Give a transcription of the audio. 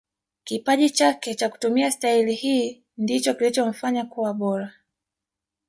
kipaji chake cha kutumia stahili hii ndicho kilichomfanya kuwa bora